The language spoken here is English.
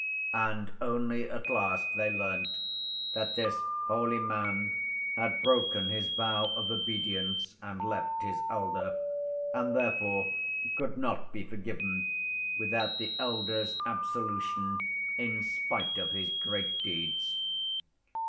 And only at last they learnt that this holy man had broken his vow of obedience and left his elder, and, therefore, could not be forgiven without the elder's absolution in spite of his great deeds.